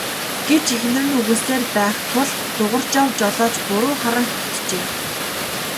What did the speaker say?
гэж эхнэр нь үглэсээр байх тул Дугаржав жолооч буруу харан хэвтжээ.